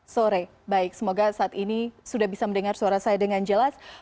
sore baik semoga saat ini sudah bisa mendengar suara saya dengan jelas